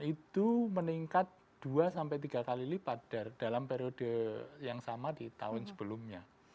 itu meningkat dua tiga kali lipat dalam periode yang sama di tahun sebelumnya